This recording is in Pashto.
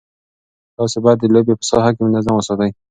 تاسي باید د لوبې په ساحه کې نظم وساتئ.